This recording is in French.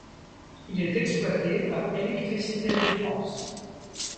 Il est exploité par Électricité de France.